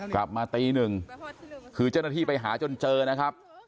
กลับมาตีหนึ่งคือเจ้าหน้าที่ไปหาจนเจอนะครับ